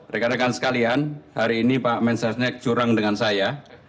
rekan rekan sekalian hari ini pak mensesnek curang dengan saya